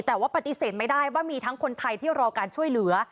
แต่ว่าปฏิเสธไม่ได้ว่ามีทั้งคนไทยที่รอการช่วยเหลือ